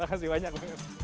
terima kasih banyak